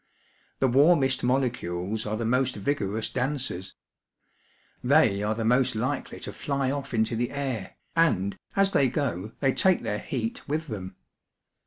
The warmest molecules are the most vigorous dancers. They are the most likely to fly off into the air, and, as they go, they take their heat with them.